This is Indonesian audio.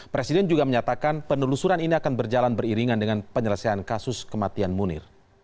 presiden juga menyatakan penelusuran ini akan berjalan beriringan dengan penyelesaian kasus kematian munir